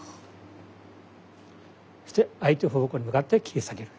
そして相手方向に向かって斬り下げる。